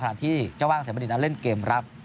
ขณะที่เจ้าว่างเสียบ้านดิดนั้นเล่นเกมรับ